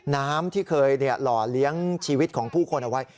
น้ำที่เคยหล่อเลี้ยงชีวิตของผู้คนเอาไว้